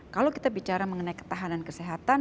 kalau kita bicara mengenai ketahanan kesehatan